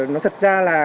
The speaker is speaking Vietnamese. nó thật ra là